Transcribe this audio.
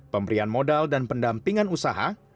pemberian modal dan pendampingan usaha